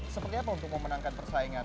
seperti apa untuk memenangkan persaingan